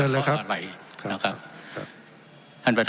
ทั้งสองกรณีผลเอกประยุทธ์